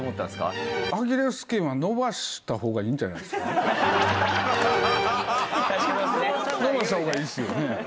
伸ばした方がいいですよね。